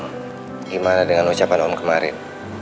bagaimana dengan ucapan om kemarin